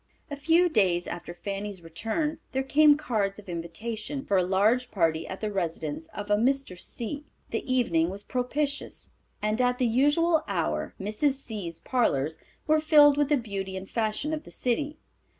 A few days after Fanny's return there came cards of invitation for a large party at the residence of a Mr. C——. The evening was propitious, and at the usual hour Mrs. C——'s parlors were filled with the beauty and fashion of the city.